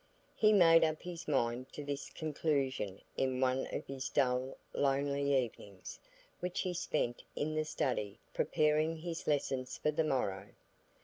He made up his mind to this conclusion in one of his dull, lonely evenings, which he spent in the study, preparing his lessons for the morrow.